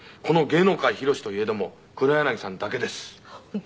この芸能界広しといえども黒柳さんだけです。